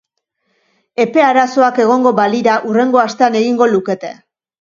Epe arazoak egongo balira, hurrengo astean egingo lukete.